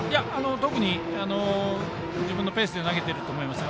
特に自分のペースで投げてると思います。